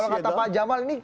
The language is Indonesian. kalau kata pak jamal ini